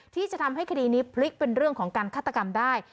ที่จะทำให้คดีนี้พลิกเป็นเรื่องของการฆาตกรรมได้